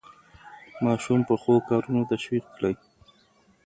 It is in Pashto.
ماشوم په ښو کارونو تشویق کړئ.